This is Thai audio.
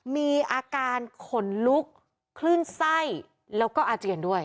มีอาการขนลุกคลื่นไส้แล้วก็อาเจียนด้วย